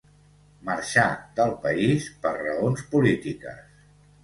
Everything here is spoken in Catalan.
Marxar del país per raons polítiques.